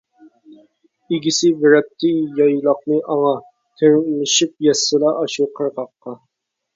ئىگىسى بېرەتتى يايلاقنى ئاڭا، تىرمىشىپ يەتسىلا ئاشۇ قىرغاققا.